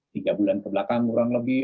tiga bulan kebelakang kurang lebih